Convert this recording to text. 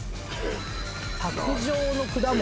卓上の果物。